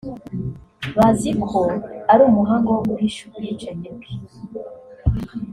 Bazi ko ari umuhanga wo guhisha ubwicanyi bwe